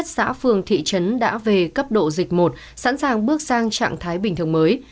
các phường thị trấn đã về cấp độ dịch một sẵn sàng bước sang trạng thái bình thường mới